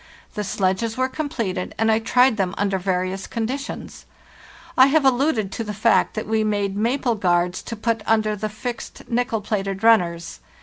The sledges were completed, and I tried them under various conditions. I have alluded to the fact that we made maple guards to put under the fixed nickel plated runners.